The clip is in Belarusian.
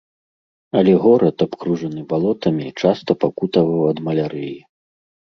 Але горад, абкружаны балотамі, часта пакутаваў ад малярыі.